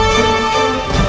kemana paman anggajar